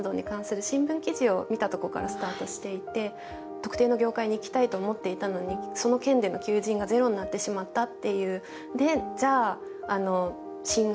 特定の業界に行きたいと思っていたのにその県での求人がゼロになってしまったと。